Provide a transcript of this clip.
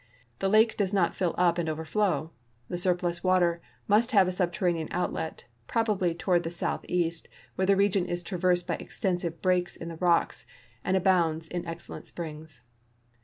The lake does not fill up and. overflow. The surplus water must have a subterranean outlet, probably toward the southeast, where the region is traversed by extensive breaks in the rocks, and abounds in excellent springs.